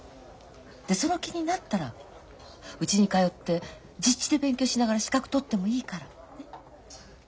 でその気になったらうちに通って実地で勉強しながら資格取ってもいいから。ね？